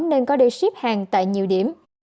nên có đi ship hàng tại nhiều điểm